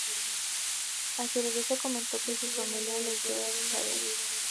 A su regreso, comentó con su familia el deseo de ser luchador.